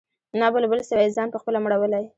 نه بلبل سوای ځان پخپله مړولای